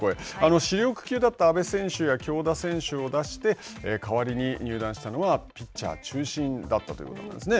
主力級だった阿部選手や京田選手を出してかわりに入団したのはピッチャー中心だったということなんですね。